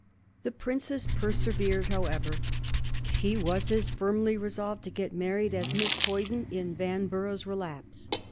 The princess persevered, however; she was as firmly resolved to get married as Miss Hoyden in Yanbrugh's *^ Relapse."